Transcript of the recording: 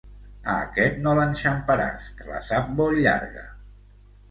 A aquest no l'enxamparàs, que la sap molt llarga.